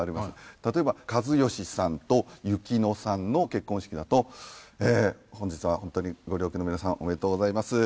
例えば一義さんと雪乃さんの結婚式だと本日は本当にご両家の皆さんおめでとうございます。